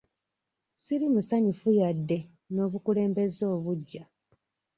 Siri musanyufu yadde n'obukulembeze obuggya.